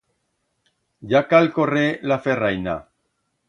Ya cal correr la ferraina.